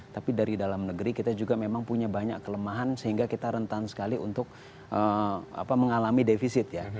tapi dari dalam negeri kita juga memang punya banyak kelemahan sehingga kita rentan sekali untuk mengalami defisit ya